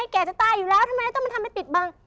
แก่จะตายอยู่แล้วทำไมต้องมาทำให้ปิดบัง